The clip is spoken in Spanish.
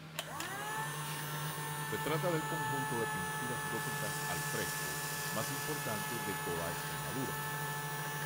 Se trata del conjunto de pinturas góticas al fresco más importante de toda Extremadura.